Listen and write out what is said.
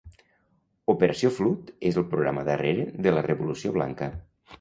Operació Flood és el programa darrere de la revolució blanca.